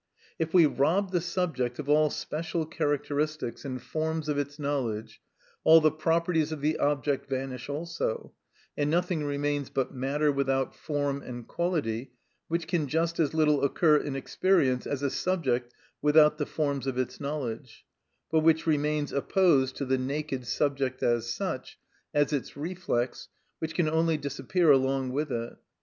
If we rob the subject of all special characteristics and forms of its knowledge, all the properties of the object vanish also, and nothing remains but matter without form and quality, which can just as little occur in experience as a subject without the forms of its knowledge, but which remains opposed to the naked subject as such, as its reflex, which can only disappear along with it.